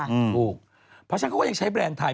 เพราะฉะนั้นเขาก็ยังใช้แบรนด์ไทย